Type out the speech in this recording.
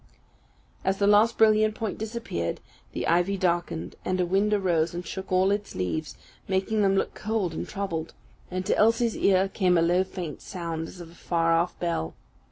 As the last brilliant point disappeared, the ivy darkened, and a wind arose and shook all its leaves, making them look cold and troubled; and to Elsie's ear came a low faint sound, as from a far off bell.